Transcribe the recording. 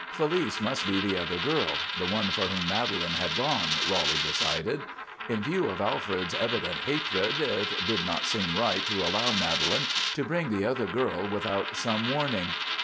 Félice must be the other girl, the one for whom Madelon had gone, Roly decided. In view of Alfred's evident hatred, it did not seem right to allow Madelon to bring the other girl without some warning.